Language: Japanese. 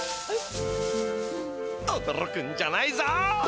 おどろくんじゃないぞ。